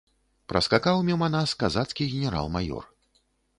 Праскакаў міма нас казацкі генерал-маёр.